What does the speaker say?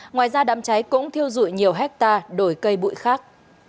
ngoài ra đám cháy cũng thiêu dụi nhiều hectare đổi cây bụi khác